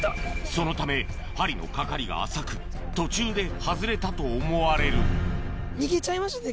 そのため針のかかりが浅く途中で外れたと思われる逃げちゃいましたね